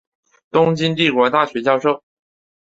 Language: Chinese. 东京帝国大学教授。